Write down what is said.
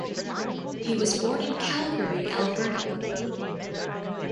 He was born in Calgary, Alberta.